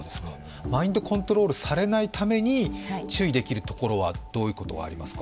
マインドコントロールされないために、注意できるところはどういうことがありますか。